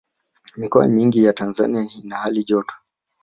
mikoa mingi ya tanzania ina hali ya joto